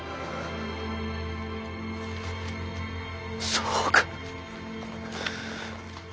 そうか。